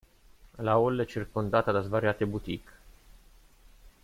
La "hall" è circondata da svariate "boutique".